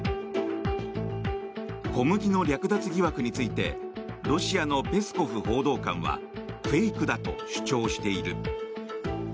小麦の略奪疑惑についてロシアのペスコフ報道官はフェイクだと主張している。